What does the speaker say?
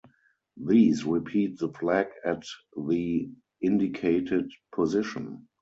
These repeat the flag at the indicated position.